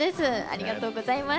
ありがとうございます。